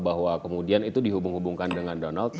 bahwa kemudian itu dihubung hubungkan dengan donald tru